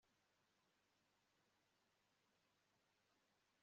Kandi yumishije iminwa yawe uryoshye no gusomana